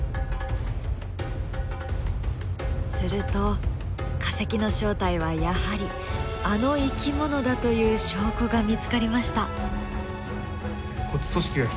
すると化石の正体はやはりあの生き物だという証拠が見つかりました。